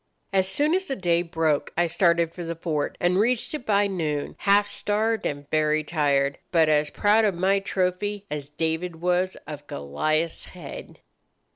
As soon as the day broke I started for the fort, and reached it by noon, half starved and very tired, but as proud of my trophy as David was of Goliath's head."